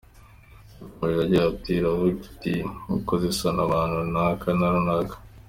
Yakomeje agira ati “Iravuga iti ‘gukoza isoni abantu runaka na runaka.